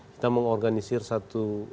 kita mengorganisir satu